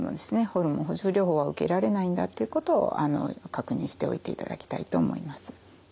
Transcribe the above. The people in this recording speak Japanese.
ホルモン補充療法は受けられないんだっていうことを確認しておいていただきたいと思います。